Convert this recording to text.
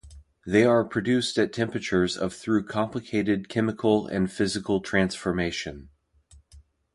They are produced at temperatures of through complicated chemical and physical transformation.